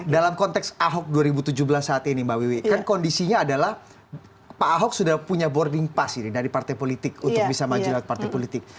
dalam konteks ahok dua ribu tujuh belas saat ini mbak wiwi kan kondisinya adalah pak ahok sudah punya boarding pass ini dari partai politik untuk bisa maju lewat partai politik